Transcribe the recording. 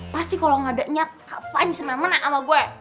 pasti kalau gak ada nyet kak fanny senang menang sama gue